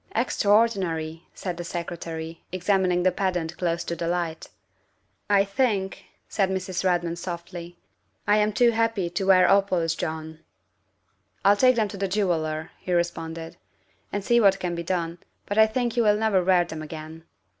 " Extraordinary!" said the Secretary, examining the pendant close to the light. " I think," said Mrs. Redmond softly, "I am too happy to wear opals, John." " I'll take them to a jeweller," he responded, " and see what can be done, but I think you will never wear them again.